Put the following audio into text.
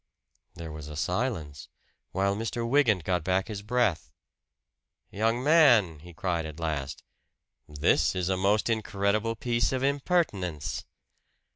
There was a silence, while Mr. Wygant got back his breath. "Young man," he cried at last, "this is a most incredible piece of impertinence!"